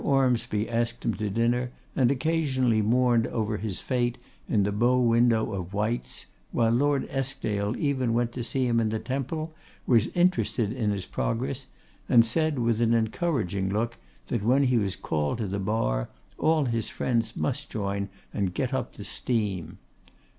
Ormsby asked him to dinner, and occasionally mourned over his fate in the bow window of White's; while Lord Eskdale even went to see him in the Temple, was interested in his progress, and said, with an encouraging look, that, when he was called to the bar, all his friends must join and get up the steam.